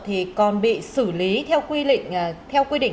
thì còn bị xử lý theo quy định